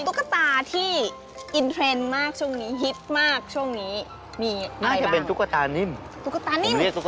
ตุ๊กตาที่อินเทรนด์มากช่วงนี้ฮิตมากช่วงนี้